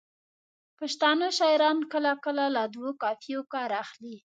پښتانه شاعران کله کله له دوو قافیو کار اخلي.